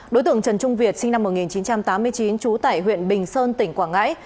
đối tượng trần trung việt sinh năm một nghìn chín trăm tám mươi chín trú tại huyện bình sơn tỉnh quảng ngãi